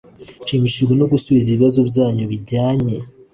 Nshimishijwe no gusubiza ibibazo byanyu bijyanye